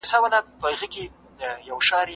پوهانو ویل چي منطقي تسلسل په لیکنه کي اړین دئ.